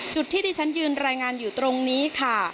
จุดที่ที่ฉันยืนรายงานอยู่ตรงนี้ค่ะ